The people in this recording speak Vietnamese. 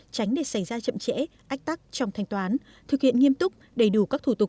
tránh để xảy ra chậm trễ ách tắc trong thanh toán thực hiện nghiêm túc đầy đủ các thủ tục